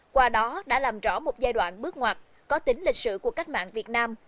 qua đó đã làm rõ một giai đoạn bước ngoặt có tính lịch sử của cách mạng việt nam